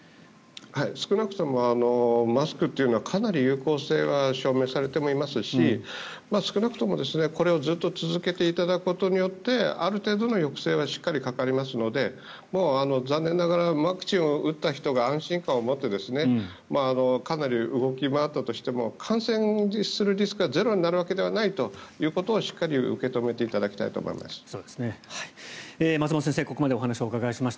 少なくともマスクというのはかなり有効性は証明されていますし少なくともこれをずっと続けていただくことによってある程度の抑制はしっかりかかりますので残念ながらワクチンを打った人が安心感を持ってかなり動き回ったとしても感染するリスクはゼロになるわけではないということはしっかり受け止めていただきたいと思います。